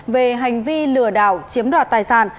về hành vi lừa đảo chiếm đoạt tài sản